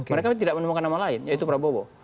mereka tidak menemukan nama lain yaitu prabowo